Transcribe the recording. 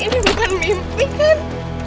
ini bukan mimpi kan